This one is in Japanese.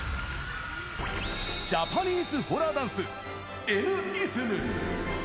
ジャパニーズホラーダンス、Ｎ’ｉｓｍ。